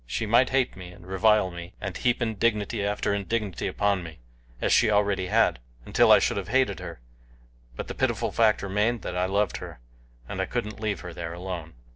She might hate me, and revile me, and heap indignity after indignity upon me, as she already had, until I should have hated her; but the pitiful fact remained that I loved her, and I couldn't leave her there alone.